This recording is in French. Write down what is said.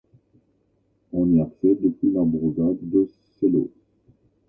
On y accède depuis la bourgade de Selo.